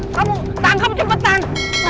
kamu tangkap kepetan